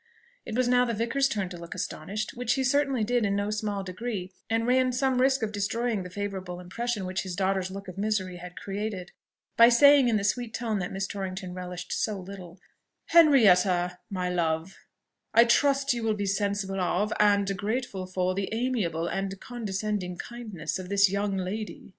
It was now the vicar's turn to look astonished, which he certainly did in no small degree, and ran some risk of destroying the favourable impression which his daughter's look of misery had created, by saying, in the sweet tone that Miss Torrington relished so little, "Henrietta, my love I trust you will be sensible of, and grateful for, the amiable and condescending kindness of this young lady."